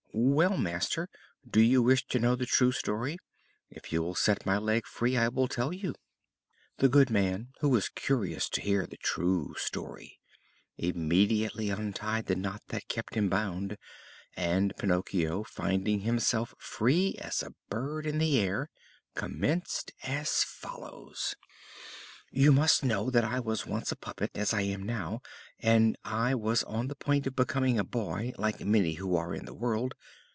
"Well, master, do you wish to know the true story? If you will set my leg free I will tell it you." The good man, who was curious to hear the true story, immediately untied the knot that kept him bound; and Pinocchio, finding himself free as a bird in the air, commenced as follows: "You must know that I was once a puppet as I am now, and I was on the point of becoming a boy like the many who are in the world.